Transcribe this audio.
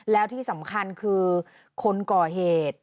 แล้วที่สำคัญคือคนก่อเหตุ